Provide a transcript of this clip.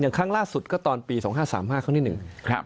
อย่างครั้งล่าสุดก็ตอนปี๒๕๓๕ครั้งนี้หนึ่ง